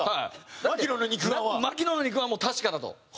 槙野の肉眼はもう確かだと。